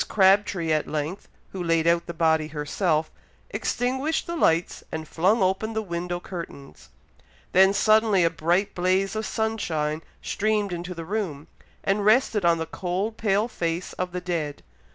Crabtree at length, who laid out the body herself, extinguished the lights, and flung open the window curtains. Then suddenly a bright blaze of sunshine streamed into the room, and rested on the cold pale face of the dead.